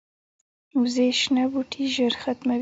وزې شنه بوټي ژر ختموي